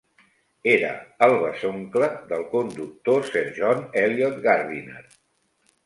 Era el besoncle del conductor Sir John Eliot Gardiner.